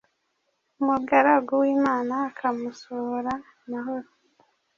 umugaragu w’Imana akamusohora amahoro.